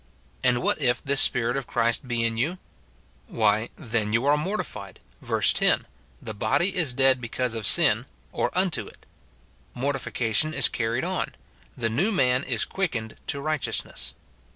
And what if this Spirit of Christ be in you ? Why, then, you are mortified ; verse 10, " The body is dead because of sin," or unto it; mortification is carried on ; the new man is quickened to righteousness.